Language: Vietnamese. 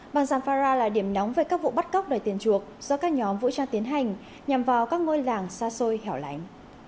bang zampara là điểm nóng về các vụ bắt cóc đòi tiền chuộc do các nhóm vũ trang tiến hành nhằm vào các ngôi làng xa xôi hẻo lạnh